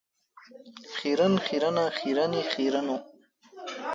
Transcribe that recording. خیرن، خیرنه ،خیرنې ، خیرنو .